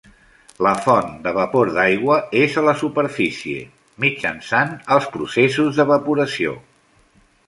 La font de vapor d'aigua és a la superfície, mitjançant els processos d'evaporació.